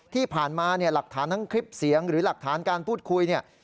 ที่ผ่านมาหลักฐานทั้งคลิปเสียงหรือหลักฐานการพูดคุย